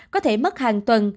có thể mất hàng tuần